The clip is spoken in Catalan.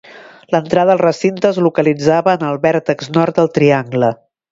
L'entrada al recinte es localitzava en el vèrtex nord del triangle.